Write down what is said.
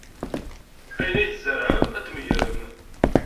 Ayen ay tzerɛem, ad t-tmegrem.